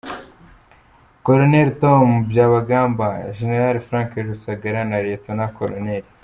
Col. Tom Byabagamba, Gen. Frank Rusagara na Lt.Col.